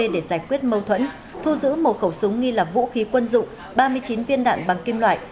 để giải quyết mâu thuẫn thu giữ một khẩu súng nghi là vũ khí quân dụng ba mươi chín viên đạn bằng kim loại